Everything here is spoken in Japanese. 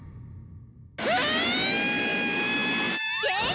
え！